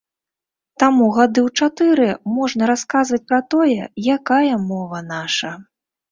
Таму гады ў чатыры можна расказваць пра тое, якая мова наша.